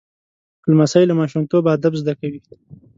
لمسی له ماشومتوبه ادب زده کوي.